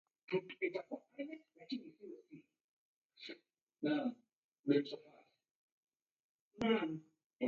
Ugho muzi ghwarudire w'andu w'engi w'urumwengunyi.